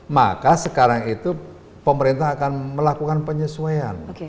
maka sekarang itu pemerintah akan melakukan penyesuaian